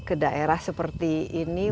ke daerah seperti ini